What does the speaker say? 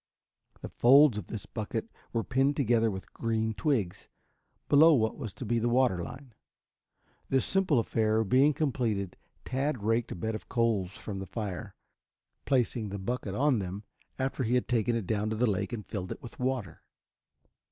The folds of this bucket were pinned together with green twigs, below what was to be the water line. This simple affair being completed Tad raked a bed of coals from the fire, placing the bucket on them after he had taken it down to the lake and filled it with water.